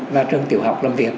và trường tiểu học làm việc